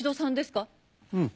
うん。